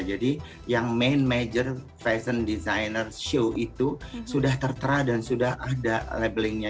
jadi yang main major fashion designer show itu sudah tertera dan sudah ada labelingnya